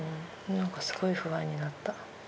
なんかすごい不安になった。